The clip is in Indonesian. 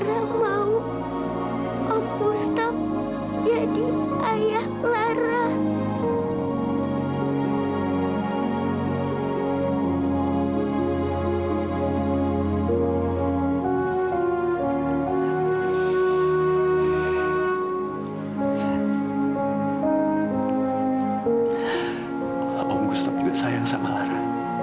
om gustaf tidak sayang sama lara